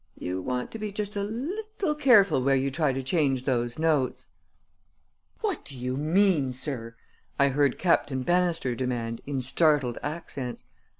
You want to be just a leetle careful where you try to change those notes!" "What do you mean, sir?" I heard Captain Bannister demand in startled accents.